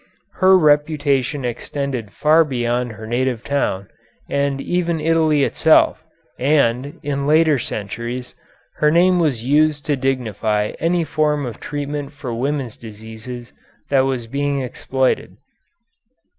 Her reputation extended far beyond her native town, and even Italy itself, and, in later centuries, her name was used to dignify any form of treatment for women's diseases that was being exploited.